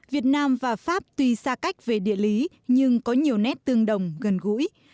việt nam và pháp tuy xa cách về địa lý nhưng có nhiều nét tương đồng gần gũi